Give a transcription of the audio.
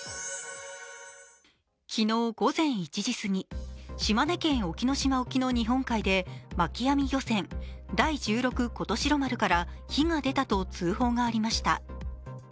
昨日午前１時すぎ、島根県隠岐島沖の日本海で巻き網漁船「第十六事代丸」から火が出たと通報がありました。